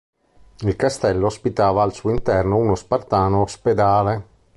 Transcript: Il castello ospitava al suo interno uno spartano ospedale.